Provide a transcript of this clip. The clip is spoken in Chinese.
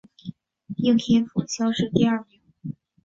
应天府乡试第二名。